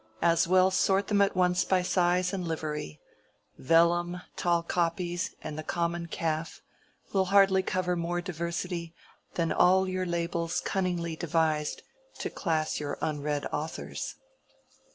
As well sort them at once by size and livery: Vellum, tall copies, and the common calf Will hardly cover more diversity Than all your labels cunningly devised To class your unread authors.